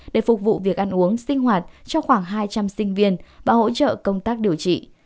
để phục vụ việc ăn uống sinh hoạt cho khoảng hai trăm linh sinh viên và hỗ trợ công tác điều trị